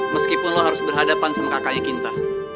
meskipun lo harus berhadapan sama kakaknya kita